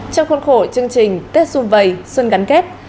trong khuôn khổ chương trình tết xuân vầy xuân gắn kết